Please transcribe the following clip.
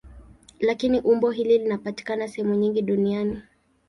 Lakini umbo hili linapatikana sehemu nyingi duniani.